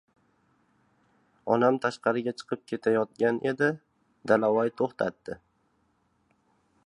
— Onam tashqariga chiqib ketayotgan edi, Dalavoy to‘xtatdi.